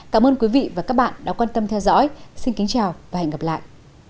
cảm ơn quý vị và các bạn đã quan tâm theo dõi xin kính chào và hẹn gặp lại